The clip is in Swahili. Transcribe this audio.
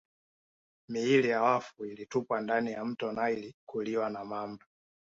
Miili ya wafu ilitupwa ndani ya mto Nile kuliwa na mamba